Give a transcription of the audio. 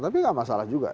tapi nggak masalah juga